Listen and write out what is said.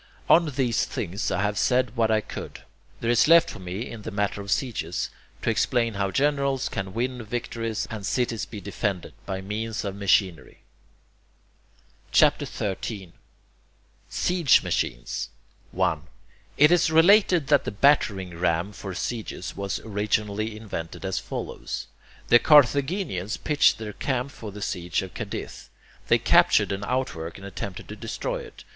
On these things I have said what I could. There is left for me, in the matter of sieges, to explain how generals can win victories and cities be defended, by means of machinery. CHAPTER XIII SIEGE MACHINES 1. It is related that the battering ram for sieges was originally invented as follows. The Carthaginians pitched their camp for the siege of Cadiz. They captured an outwork and attempted to destroy it.